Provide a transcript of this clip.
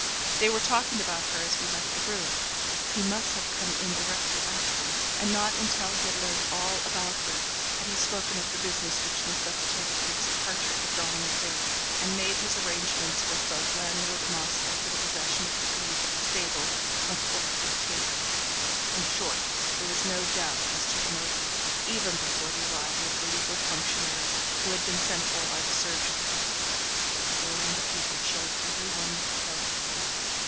They were talking about her as we left the room; he must have come in directly afterwards, and not until he had learnt all about her, had he spoken of the business which necessitated his departure at dawn of day, and made his arrangements with both landlord and ostler for the possession of the keys of the stable and porte cochère. In short, there was no doubt as to the murderer, even before the arrival of the legal functionary who had been sent for by the surgeon; but the word on the paper chilled every one with terror.